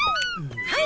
はい！